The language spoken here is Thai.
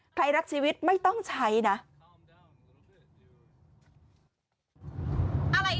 กินให้ดูเลยค่ะว่ามันปลอดภัย